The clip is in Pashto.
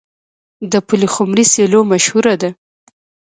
د پلخمري سیلو مشهوره ده.